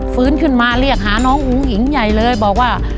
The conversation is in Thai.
ฟื้นขึ้นมาเรียกหาน้องอุ้งอิ๋งใหญ่เลยบอกว่า